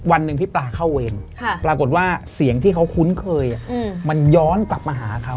วันหนึ่งพี่ปลาเข้าเวรปรากฏว่าเสียงที่เขาคุ้นเคยมันย้อนกลับมาหาเขา